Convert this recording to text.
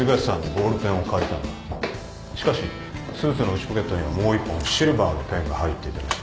しかしスーツの内ポケットにはもう一本シルバーのペンが入っていたらしい。